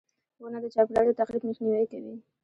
• ونه د چاپېریال د تخریب مخنیوی کوي.